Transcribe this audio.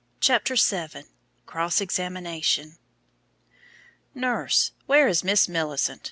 CHAPTER VII. CROSS EXAMINATION. "Nurse, where is Miss Millicent?